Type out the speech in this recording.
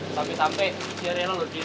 sampai sampai dia rela jin